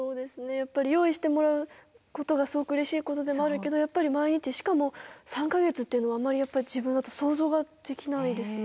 やっぱり用意してもらうことがすごくうれしいことでもあるけどやっぱり毎日しかも３か月っていうのはあんまりやっぱ自分は想像ができないですね。